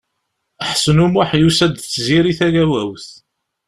Ḥsen U Muḥ yusa-d d Tiziri Tagawawt.